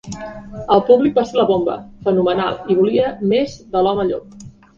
El públic va ser la bomba, fenomenal, i volia més de l'home llop.